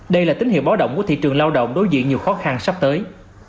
đây là tín hiệu báo động của thị trường lao động đối diện nhiều khó khăn sắp tới